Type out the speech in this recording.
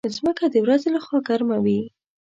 مځکه د ورځې له خوا ګرمه وي.